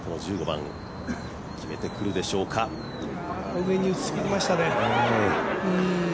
上に打ちすぎましたね。